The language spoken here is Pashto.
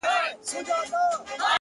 د غرمو گرم اورښته قدم اخله!